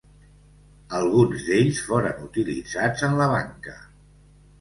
Alguns d'ells foren utilitzats en la banca.